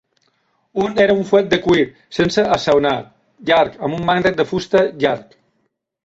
Un era un fuet de cuir sense assaonar, llarg, amb un mànec de fusta, llarg.